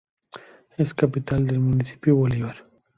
Es capital del Municipio Bolívar.